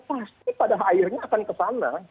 pasti pada akhirnya akan ke sana